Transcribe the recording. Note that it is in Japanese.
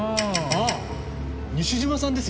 あっ西島さんですよ。